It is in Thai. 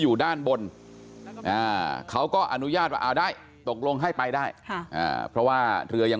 อยู่ด้านบนเขาก็อนุญาตว่าเอาได้ตกลงให้ไปได้เพราะว่าเรือยัง